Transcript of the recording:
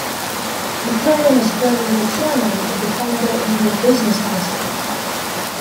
MacLaren is currently the Chairman of the Canada-India Business Council.